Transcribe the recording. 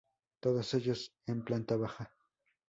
Todos ellos en planta baja.